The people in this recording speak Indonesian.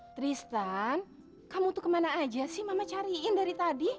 tristan kamu tuh kemana aja sih mama cariin dari tadi